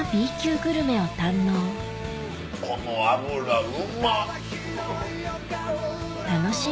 この脂うまっ！